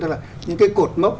tức là những cái cột mốc